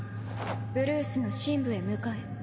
ブルースの深部へ向かえ。